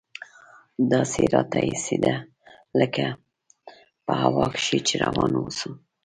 داسې راته اېسېده لکه په هوا کښې چې روان اوسم.